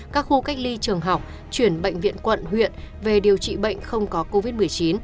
các khu cách ly trường học chuyển bệnh viện quận huyện về điều trị bệnh không có covid một mươi chín